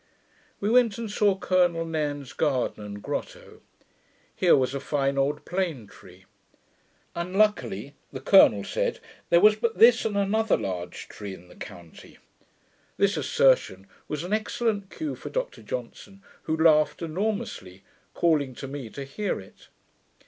We went and saw Colonel Nairne's garden and grotto. Here was a fine old plane tree. Unluckily the colonel said, there was but this and another large tree in the county. This assertion was an excellent cue for Dr Johnson, who laughed enormously, calling to me to hear it.